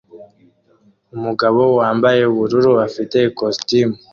Umugabo wambaye ubururu afite ikositimu